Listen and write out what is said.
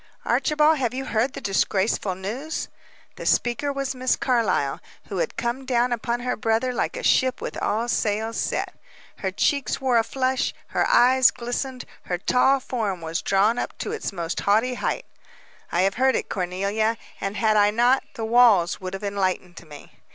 "Archibald, have you heard the disgraceful news?" The speaker was Miss Carlyle, who had come down upon her brother like a ship with all sails set. Her cheeks wore a flush; her eyes glistened; her tall form was drawn up to its most haughty height. "I have heard it, Cornelia, and, had I not, the walls would have enlightened me."